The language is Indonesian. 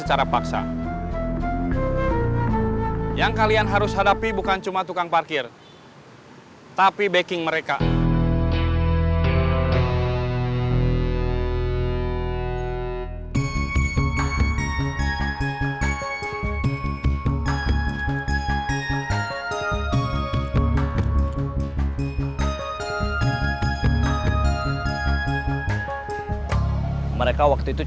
saya jangan dipanggil bos atuh